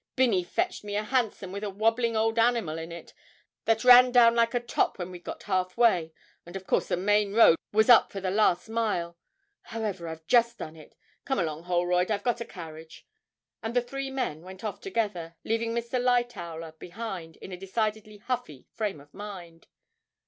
'Binny fetched me a hansom with a wobbling old animal in it that ran down like a top when we'd got half way; and of course the main road was up for the last mile however, I've just done it. Come along, Holroyd, I've got a carriage.' And the three men went off together, leaving Mr. Lightowler behind in a decidedly huffy frame of mind.